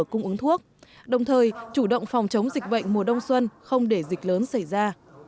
cung ứng thuốc đồng thời chủ động phòng chống dịch bệnh mùa đông xuân không để dịch lớn xảy ra